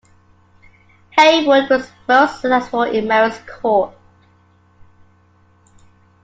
Heywood was most successful in Mary's court.